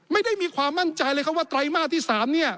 ไม่ได้มีความมั่นใจเลยครับว่าไตรมาสที่๓เนี่ย